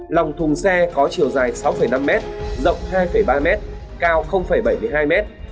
lòng thùng xe có chiều dài sáu năm m rộng hai ba m cao bảy mươi hai m